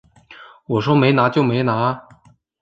我说没拿就没拿啊